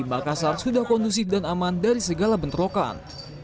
makassar sudah kondusif dan aman dari segala bentrokan